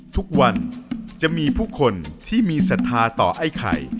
ทุกวันจะมีผู้คนที่มีศรัทธาต่อไอ้ไข่